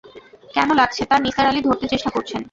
কেন লাগছে, তা নিসার আলি ধরতে চেষ্টা করছেন।